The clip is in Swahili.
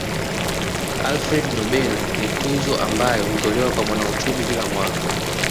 Alfred Nobel ni tuzo ambayo hutolewa kwa mwanauchumi kila mwaka